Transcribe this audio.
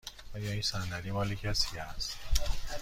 آیا این صندلی مال کسی است؟